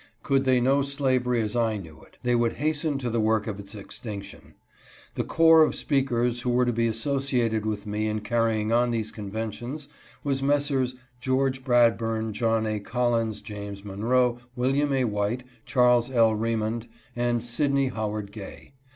Could they know slavery as I knew it, they would hasten to the work of its extinction. The corps of speakers who were to be associated with me in carrying on these con ventions was Messrs. George Bradburn, John A. Collins, James Monroe, William A. White, Charles L. Remond, and Sydney Howard Gay.